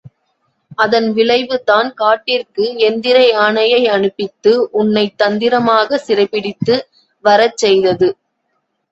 அதன் விளைவுதான் காட்டிற்கு எந்திரயானையை அனுப்பித்து உன்னைத் தந்திரமாகச் சிறைப்பிடித்து வரச் செய்தது.